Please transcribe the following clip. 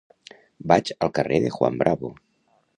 Vaig al carrer de Juan Bravo.